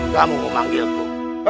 kamu mau manggilku